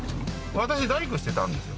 私大工してたんですよ。